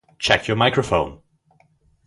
Check your microphone!